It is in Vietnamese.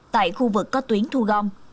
tại khu vực có tuyến thu gom